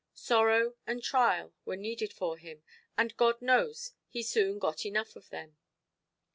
Sorrow and trial were needed for him; and God knows he soon got enough of them.